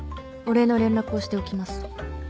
お礼の連絡をしておきます。